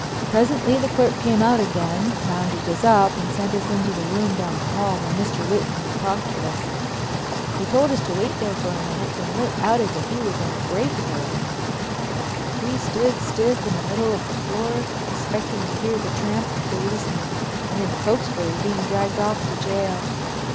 Presently the clerk came out again, rounded us up and sent us into the room down the hall where Mr. Whitney had talked to us. He told us to wait there for a minute, then lit out as if he was in a great hurry. We stood stiff in the middle of the floor, expecting to hear the tramp of policemen and then Cokesbury being dragged off to jail.